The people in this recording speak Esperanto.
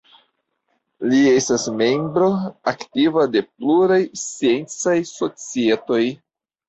Li estis membro aktiva de pluraj sciencaj societoj.